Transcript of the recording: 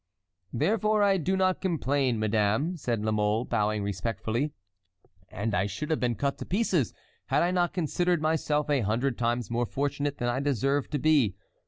"Therefore I do not complain, madame," said La Mole, bowing respectfully, "and I should have been cut to pieces had I not considered myself a hundred times more fortunate than I deserve to be.